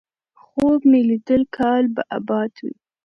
خوب مې ليدلی کال به اباد وي،